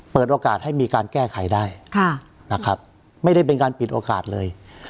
เปิดโอกาสให้มีการแก้ไขได้นะครับไม่ได้เป็นการปิดโอกาสเลย